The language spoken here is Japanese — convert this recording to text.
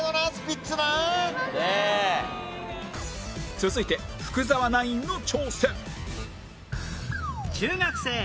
続いて福澤ナインの挑戦！